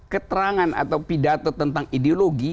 keterangan atau pidato tentang ideologi